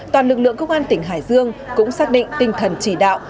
toàn lực lượng công an tỉnh hải dương cũng xác định tinh thần chỉ đạo